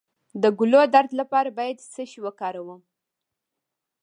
د ګلو درد لپاره باید څه شی وکاروم؟